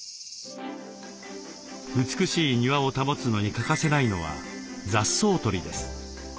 美しい庭を保つのに欠かせないのは雑草取りです。